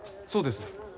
そうです。